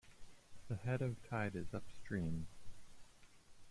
The head of tide is upstream.